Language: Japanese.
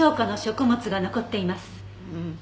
うん。